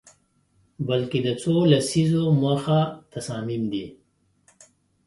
بلکه د څو لسیزو مخه تصامیم دي